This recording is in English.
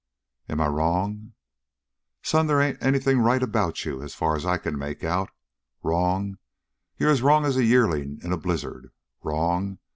"Am I wrong?" "Son, they ain't anything right about you, as far as I can make out. Wrong? You're as wrong as a yearling in a blizzard. Wrong?